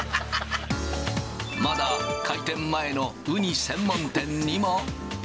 まだ開店前のウニ専門店にも。